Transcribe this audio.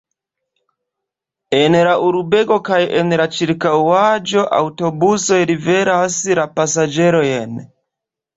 En la urbego kaj en la ĉirkaŭaĵo aŭtobusoj liveras la pasaĝerojn.